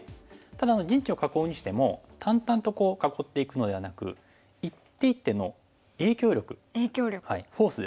ただ陣地を囲うにしても淡々と囲っていくのではなく一手一手の影響力フォースですね。